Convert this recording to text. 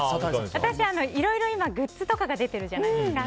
私、いろいろグッズとかが出てるじゃないですか。